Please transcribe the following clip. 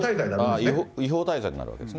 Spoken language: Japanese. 違法滞在になるわけですね。